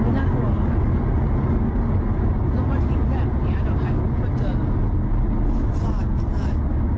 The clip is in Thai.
ไม่น่ากลัวหรอครับจะมาทิ้งแค่แบบเนี้ยแต่ถ้าไม่เจอ